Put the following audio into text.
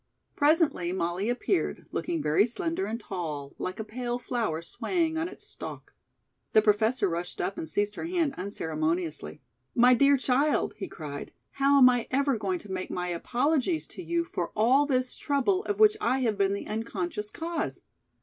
Presently Molly appeared, looking very slender and tall, like a pale flower swaying on its stalk. The Professor rushed up and seized her hand unceremoniously. "My dear child!" he cried, "how am I ever going to make my apologies to you for all this trouble of which I have been the unconscious cause?"